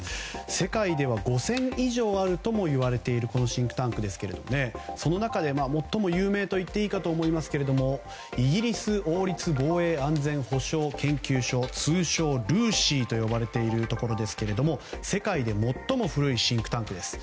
世界では、５０００以上もあるといわれているシンクタンクですがその中でもっとも有名と言っていいかと思いますがイギリス王立防衛安全保障研究所通称ＲＵＳＩと呼ばれるところですが世界で最も古いシンクタンクです。